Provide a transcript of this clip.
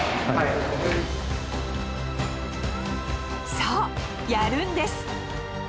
そうやるんです！